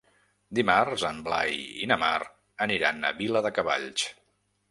Dimarts en Blai i na Mar aniran a Viladecavalls.